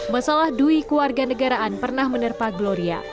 masalah dui keluarga negaraan pernah menerpa gloria